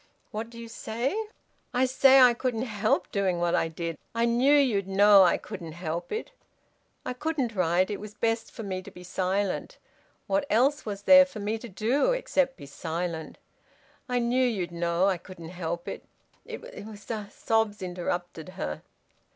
"What do you say?" "I say I couldn't help doing what I did. I knew you'd know I couldn't help it. I couldn't write. It was best for me to be silent. What else was there for me to do except be silent? I knew you'd know I couldn't help it. It was a " Sobs interrupted her.